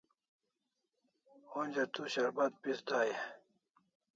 Onja tu sharbat pis dai e?